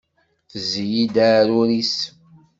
Tezzi-iyi-d aɛrur-is.